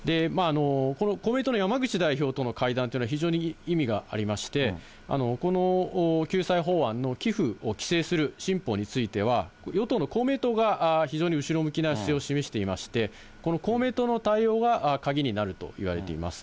この公明党の山口代表との会談というのは、非常に意味がありまして、この救済法案の寄付を規制する新法については、与党の公明党が、非常に後ろ向きな姿勢を示していまして、この公明党の対応は鍵になるといわれています。